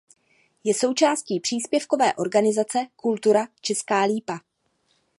Je součástí příspěvkové organizace Kultura Česká Lípa.